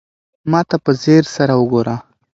ما ته په ځير سره وگوره.